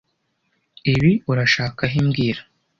Ibi urashaka he mbwira